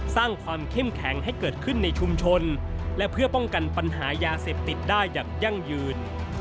สร้างความเข้มแข็งให้เกิดขึ้นในชุมชนและเพื่อป้องกันปัญหายาเสพติดได้อย่างยั่งยืน